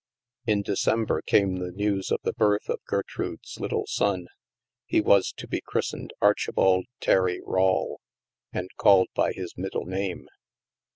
In December came the news of the birth of Ger trude's little son. He was to be christened Archi bald Terry Rawle, and called by his middle name.